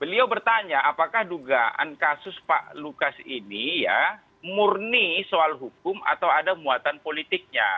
beliau bertanya apakah dugaan kasus pak lukas ini ya murni soal hukum atau ada muatan politiknya